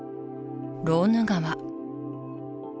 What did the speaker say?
ローヌ川